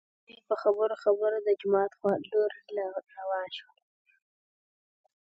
دوي په خبرو خبرو د جومات په لور راوان شول.